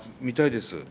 見たいです。